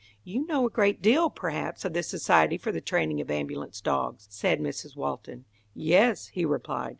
"You know a great deal, perhaps, of this society for the training of ambulance dogs," said Mrs. Walton. "Yes," he replied.